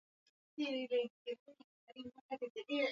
na kilio kote Uingereza Hatua iliyooelekea Uingereza